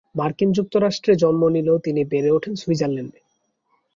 মার্কিন যুক্তরাষ্ট্রে জন্ম নিলেও তিনি বেড়ে ওঠেন সুইজারল্যান্ডে।